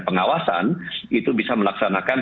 pengawasan itu bisa melaksanakan